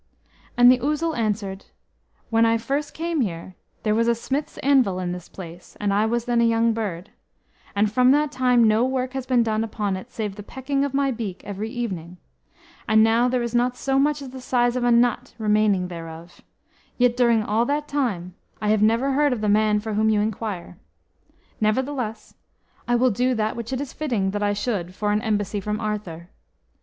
And the Ousel answered, "When I first came here, there was a smith's anvil in this place, and I was then a young bird; and from that time no work has been done upon it, save the pecking of my beak every evening; and now there is not so much as the size of a nut remaining thereof; yet during all that time I have never heard of the man for whom you inquire. Nevertheless, I will do that which it is fitting that I should for an embassy from Arthur.